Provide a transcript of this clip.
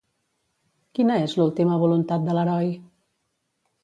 Quina és l'última voluntat de l'heroi?